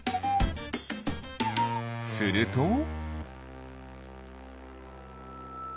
すると。